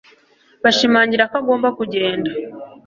bashimangira ko agomba kugenda